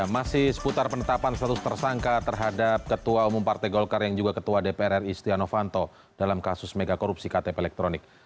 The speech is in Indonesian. masih seputar penetapan status tersangka terhadap ketua umum partai golkar yang juga ketua dpr ri setia novanto dalam kasus megakorupsi ktp elektronik